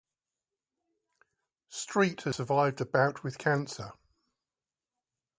Street has survived a bout with cancer.